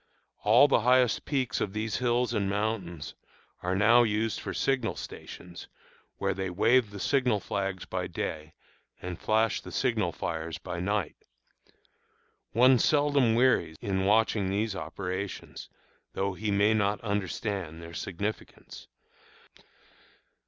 All the highest peaks of these hills and mountains are now used for signal stations, where wave the signal flags by day and flash the signal fires by night. One seldom wearies in watching these operations, though he may not understand their significance.